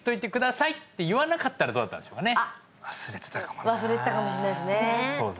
はいあれ忘れてたかもしれないですね